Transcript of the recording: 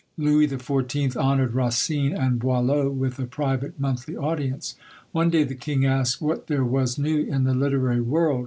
Louis the Fourteenth honoured Racine and Boileau with a private monthly audience. One day the king asked what there was new in the literary world.